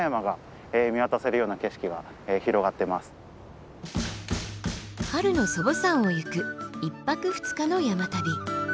中でも春の祖母山を行く１泊２日の山旅。